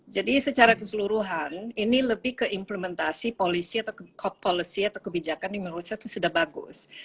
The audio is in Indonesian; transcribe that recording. jadi secara keseluruhan ini lebih ke implementasi policy atau kebijakan yang menurut saya sudah bagus